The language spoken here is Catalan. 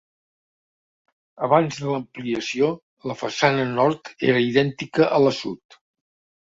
Abans de l'ampliació, la façana nord era idèntica a la sud.